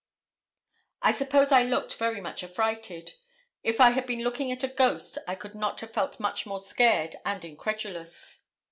I suppose I looked very much affrighted. If I had been looking at a ghost I could not have felt much more scared and incredulous.